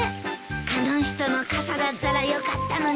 あの人の傘だったらよかったのになあ。